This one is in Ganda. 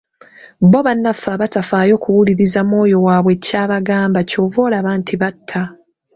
Bo bannaffe abatafaayo kuwuliriza mwoyo waabwe ky'abagamba, kyova olaba nti batta.